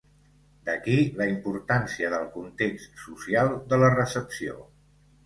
D'aquí la importància del context social de la recepció.